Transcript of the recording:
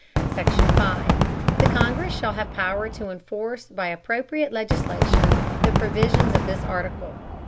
SECTION 5. The Congress shall have power to enforce, by appropriate legislation, the provisions of this article.